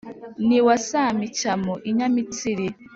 n’iwa samicyamo i nyamitsiri.